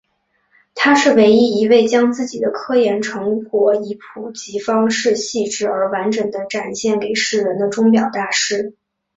他是唯一一位将自己的科研成果以普及方式细致而完整地展现给世人的钟表大师。